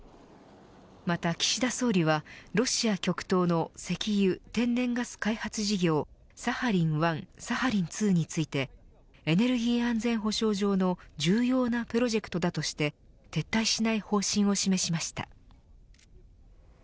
また岸田総理はロシア極東の石油、天然ガス開発事業サハリン１、サハリン２についてエネルギー安全保障上の重要なプロジェクトだとして撤退しない方針を示しました。